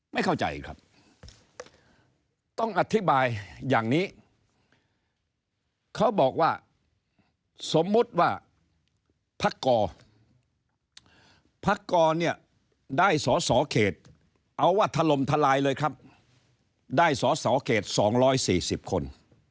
ไม่เข้าใจครับต้องอธิบายอย่างนี้เขาบอกว่าสมมุติว่าพักกรพักกรเนี่ยได้สอสอเขตเอาว่าถล่มทลายเลยครับได้สอสอเขต๒๔๐คน